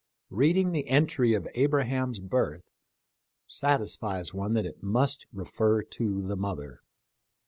Reading the entry of Abraham's birth below satisfies one that it must refer to the mother.